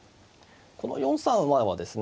この４三馬はですね